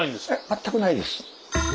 全くないです。